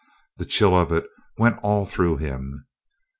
The chill of it went all through him.